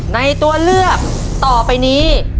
ตัวเลือกต่อไปนี้